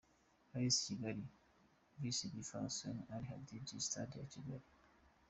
A S Kigali vs Difaâ Hassani El Jadidi –Sitade ya Kigali .